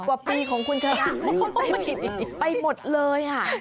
๑๐กว่าปีของคุณชะลังไม่เข้าใจผิดไปหมดเลยค่ะ